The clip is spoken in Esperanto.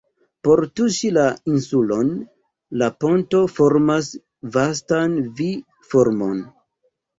Por tuŝi la insulon la ponto formas vastan V-formon.